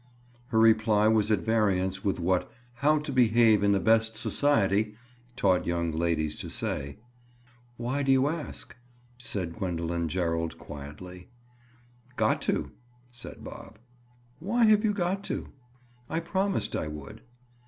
Her reply was at variance with what "How to Behave in the Best Society" taught young ladies to say. "Why do you ask?" said Gwendoline Gerald quietly. "Got to," said Bob. "Why have you got to?" "I promised I would."